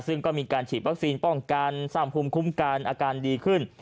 ซึ่งก็มีการฉีดวัคซีนป้องกันสร้างภูมิคุ้มกันอาการดีขึ้น